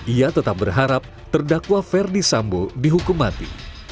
ia tetap berharap terdakwa ferdi sambo dihukum mati